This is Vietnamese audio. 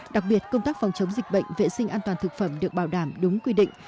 đặc biệt công tác phòng chống dịch bệnh vệ sinh an toàn thực phẩm được bảo đảm đúng quy định